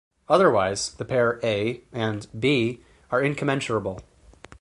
Otherwise the pair "a" and "b" are incommensurable.